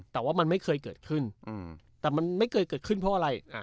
แต่ว่ามันไม่เคยเกิดขึ้นแต่มันไม่เคยเกิดขึ้นเพราะอะไร